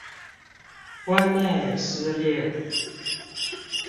婚內失戀